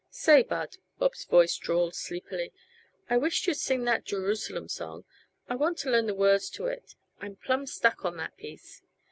"Say, Bud," Bob's voice drawled sleepily, "I wisht you'd sing that Jerusalem song. I want to learn the words to it; I'm plumb stuck on that piece.